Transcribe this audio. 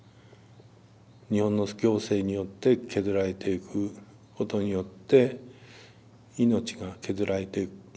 日本の行政によって削られていくことによって命が削られていく。